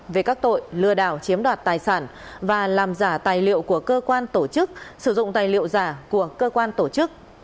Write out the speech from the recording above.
về các tội lừa đảo chiếm đoạt tài sản và làm giả tài liệu của cơ quan tổ chức sử dụng tài liệu giả của cơ quan tổ chức